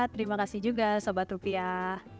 terimakasih juga sobat rupiah